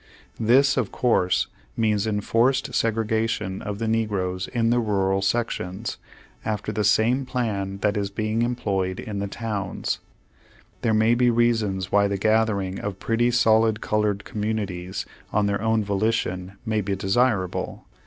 This, of course, means enforced segregation of the negroes in the rural sections, after the same plan that is being employed in the towms. There may be reasons why the gathering of pretty solid colored communities, on their own volition, may be desirable.